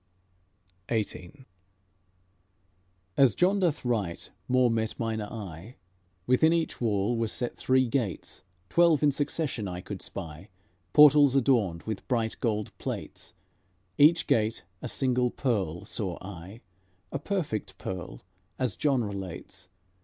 XVIII As John doth write more met mine eye: Within each wall were set three gates; Twelve in succession I could spy, Portals adorned with bright gold plates; Each gate a single pearl saw I, A perfect pearl, as John relates.